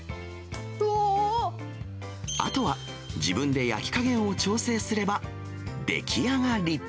あとは、自分で焼き加減を調整すれば出来上がり。